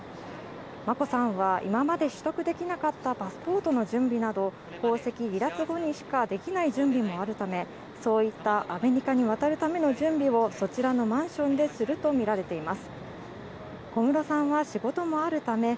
眞子さんは今まで取得できなかったパスポートの準備など皇籍離脱後にしかできない準備もあるため、そういったアメリカに渡るための準備をマンションですると見られます。